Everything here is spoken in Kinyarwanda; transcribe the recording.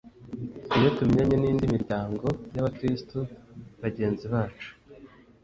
Iyo tumenyanye n indi miryango y abakristo bagenzi bacu